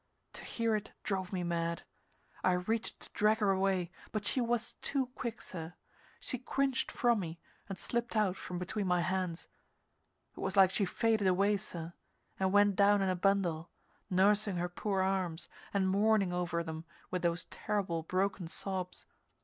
To hear it drove me mad. I reached to drag her away, but she was too quick, sir; she cringed from me and slipped out from between my hands. It was like she faded away, sir, and went down in a bundle, nursing her poor arms and mourning over them with those terrible, broken sobs.